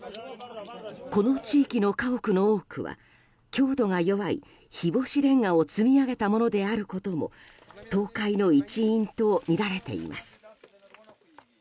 この地域の家屋の多くは強度が弱い日干しレンガを積み上げたものであることも倒壊の一因とみられています。